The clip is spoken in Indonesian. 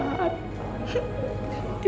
ibu saya gak mau mencuri